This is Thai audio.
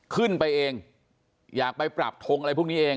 ขึ้นไปเองอยากไปปรับทงอะไรพวกนี้เอง